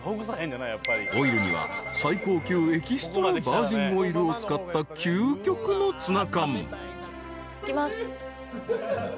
［オイルには最高級エキストラバージンオイルを使った］いきます。